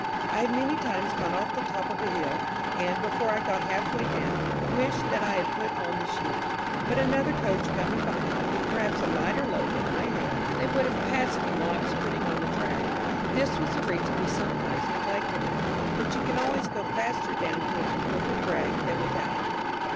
I have many times gone off the top of a hill, and, before I got half way down, wished that I had put on the shoe; but another coach coming behind, with perhaps a lighter load than I had, they would have passed me while I was putting on the drag; this was the reason we sometimes neglected it, but you can always go faster down hill, with the drag, than without it.